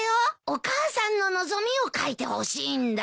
お母さんの望みを書いてほしいんだ。